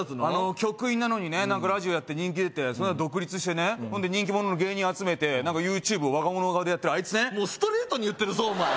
局員なのにねラジオやって人気出てそのあと独立してね人気者の芸人集めてＹｏｕＴｕｂｅをわが物顔でやってるあいつねもうストレートに言ってるぞお前